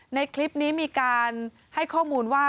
ในคลิปนี้มีการให้ข้อมูลว่า